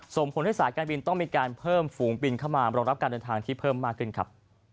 ส่งผลให้สายการบินต้องมีการเพิ่มฝูงบินเข้ามารองรับการเดินทางที่เพิ่มมากขึ้นครับ